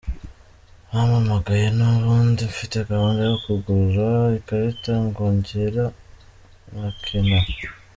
Bampamagaye n’ubundi mfite gahunda yo kugura ikarita nkongera ngakina.